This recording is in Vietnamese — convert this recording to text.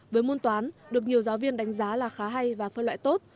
với môn toán được nhiều giáo viên đánh giá là khá hay và phân loại tốt